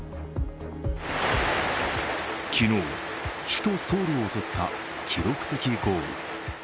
昨日、首都ソウルを襲った記録的豪雨。